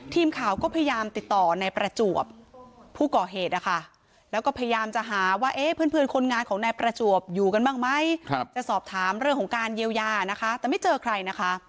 ทีมข่าวก็พยายามติดต่อนายประจวบผู้ก่อเหตุนะคะแล้วก็พยายามจะหาว่าเพื่อนคนงานของนายประจวบอยู่กันบ้างไหมจะสอบถามเรื่องของการเยียวยานะคะแต่ไม่เจอใครนะคะ